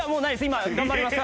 今頑張ります。